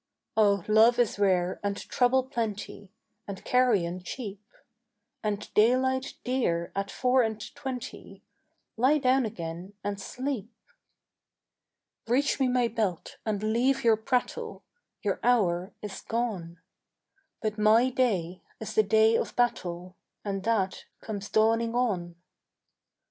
"Oh love is rare and trouble plenty And carrion cheap, And daylight dear at four and twenty: Lie down again and sleep." "Reach me my belt and leave your prattle: Your hour is gone; But my day is the day of battle, And that comes dawning on.